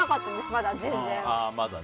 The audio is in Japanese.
まだ全然。